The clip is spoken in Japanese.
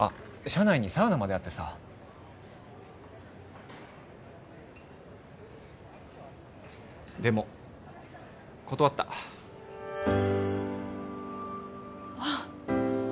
社内にサウナまであってさでも断ったああ